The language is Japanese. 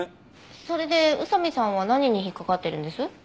それで宇佐見さんは何に引っかかってるんです？